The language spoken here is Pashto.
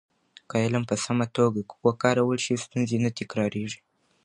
که علم په سمه توګه وکارول شي، ستونزې نه تکرارېږي.